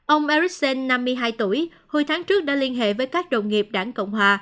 ông ericsson năm mươi hai tuổi hồi tháng trước đã liên hệ với các đồng nghiệp đảng cộng hòa